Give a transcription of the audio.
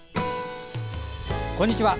こんにちは。